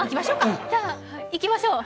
じゃいきましょう。